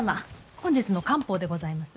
本日の官報でございます。